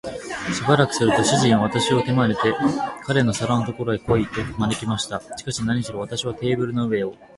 しばらくすると、主人は私を手まねで、彼の皿のところへ来い、と招きました。しかし、なにしろ私はテーブルの上を